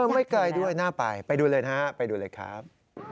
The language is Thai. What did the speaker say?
ไม่ไกลด้วยน่าไปไปดูเลยนะฮะไปดูเลยครับ